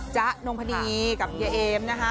จ๊ะนงพนีกับเยเอมนะคะ